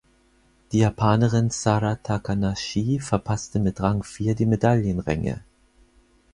Die Japanerin Sara Takanashi verpasste mit Rang vier die Medaillenränge.